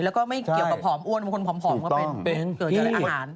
แล้วก็ไม่เกี่ยวกับหอมอ้วนบางคนอาหาร